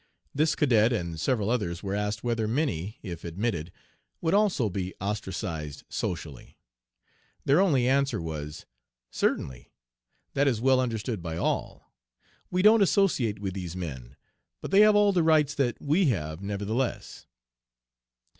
This cadet and several others were asked whether Minnie, if admitted, would also be ostracized socially. Their only answer was: 'Certainly; that is well understood by all. We don't associate with these men, but they have all the rights that we have nevertheless.'